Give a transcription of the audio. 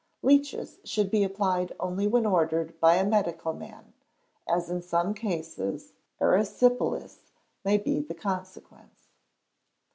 Leeches should be applied only when ordered by a medical man, as in some cases erysipelas may be the consequence.